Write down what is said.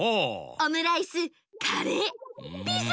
オムライスカレーピザ。